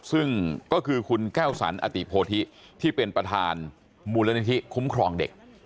ซึ่งก็คือคุณแก้วสันอติโพธิที่เป็นประธานมูลนิธิคุ้มครองเด็ก